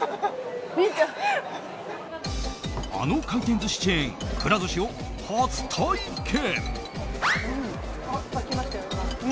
あの回転寿司チェーンくら寿司を初体験！